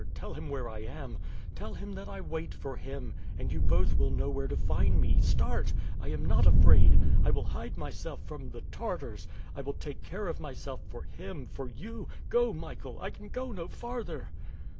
Tell him where I am! Tell him that I wait for him, and you both will know where to find me! Start! I am not afraid! I will hide myself from the Tartars! I will take care of myself for him, for you! Go, Michael! I can go no farther!"